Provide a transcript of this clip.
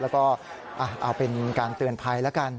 แล้วก็เอาเป็นการเตือนภัยแล้วกัน